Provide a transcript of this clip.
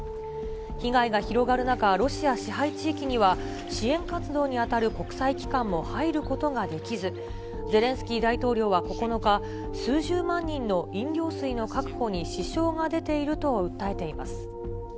被害が広がる中、ロシア支配地域には、支援活動に当たる国際機関も入ることができず、ゼレンスキー大統領は９日、数十万人の飲料水の確保に支障が出ていると訴えています。